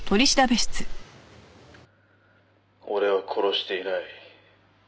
「俺は殺していない」